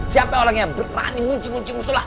siapa orangnya yang berani ngunci ngunci musyola